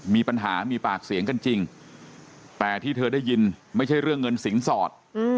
มีปัญหามีปากเสียงกันจริงแต่ที่เธอได้ยินไม่ใช่เรื่องเงินสินสอด